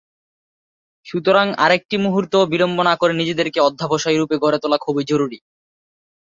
সুতরাং আর একটি মুহূর্তও বিলম্ব না করে নিজেদেরকে অধ্যবসায়ী রূপে গড়ে তোলা খুবই জরুরি।